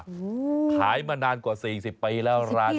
ขายมานานกว่า๔๐ปีแล้วร้านนี้